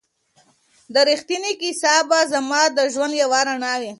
دا ریښتینې کیسه به زما د ژوند یوه رڼا وي.